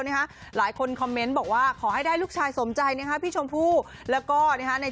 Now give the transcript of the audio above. คนแรกของตระกูลคนจริงก็ต้องผู้ชาย